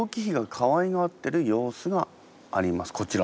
こちら。